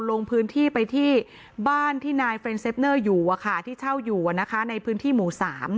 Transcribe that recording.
ลงพื้นที่ไปที่บ้านที่นายเฟรนเซฟเนอร์อยู่ที่เช่าอยู่ในพื้นที่หมู่๓